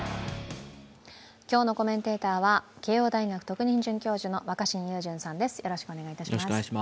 今日のコメンテーターは慶応大学特任准教授の若新雄純さんです。